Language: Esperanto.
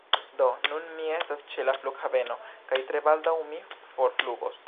Do, nun mi estas ĉe la flughaveno, kaj tre baldaŭ mi forflugos.